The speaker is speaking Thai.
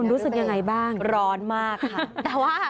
คุณรู้สึกยังไงบ้างร้อนมากค่ะ